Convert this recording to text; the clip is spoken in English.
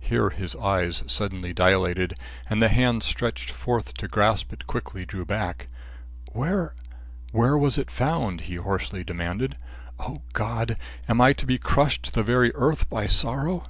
Here his eyes suddenly dilated and the hand stretched forth to grasp it quickly drew back. "Where where was it found?" he hoarsely demanded. "O God! am I to be crushed to the very earth by sorrow!"